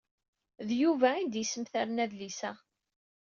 D Yuba ay d-yesmetren adlis-a.